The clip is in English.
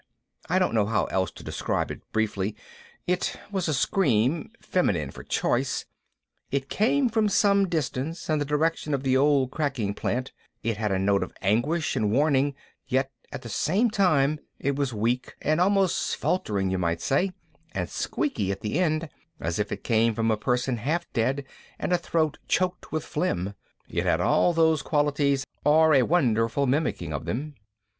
I don't know how else to describe it briefly. It was a scream, feminine for choice, it came from some distance and the direction of the old cracking plant, it had a note of anguish and warning, yet at the same time it was weak and almost faltering you might say and squeaky at the end, as if it came from a person half dead and a throat choked with phlegm. It had all those qualities or a wonderful mimicking of them.